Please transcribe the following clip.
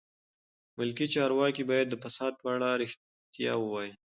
ملکي چارواکي باید د فساد په اړه رښتیا ووایي.